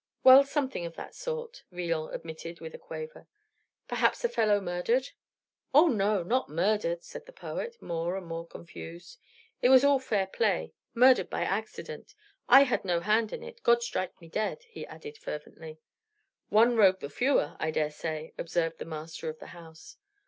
"Well, something of that sort," Villon admitted with a quaver. "Perhaps a fellow murdered?" "Oh, no, not murdered," said the poet, more and more confused. "It was all fair play murdered by accident. I had no hand in it, God strike me dead!" he added fervently. "One rogue the fewer, I dare say," observed the master of the house.